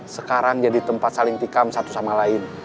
sekarang jadi tempat saling tikam satu sama lain